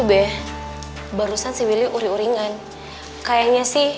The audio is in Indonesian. shoe betapa ke gefallen yaam paham steve